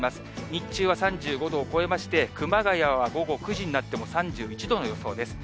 日中は３５度を超えまして、熊谷は午後９時になっても３１度の予想です。